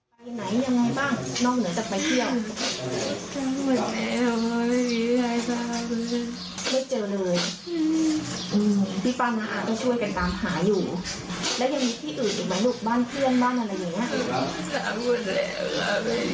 ผมไม่ได้ไปอยากบอกพ่อกับแม่ยังไงบ้างเผื่อเราจะไปทำธุรกิจอยู่อะไรอย่างเนี่ย